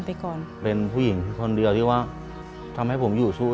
รายการต่อไปนี้เป็นรายการทั่วไปสามารถรับชมได้ทุกวัย